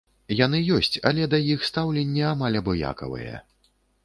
Яны ёсць, але да іх стаўленне амаль абыякавае.